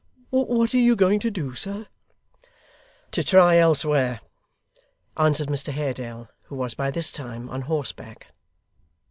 What are you going to do, sir?' 'To try elsewhere,' answered Mr Haredale, who was by this time on horseback.